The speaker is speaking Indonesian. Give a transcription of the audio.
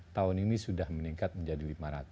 tahun ini sudah meningkat menjadi lima ratus